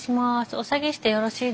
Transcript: お下げしてよろしいですか？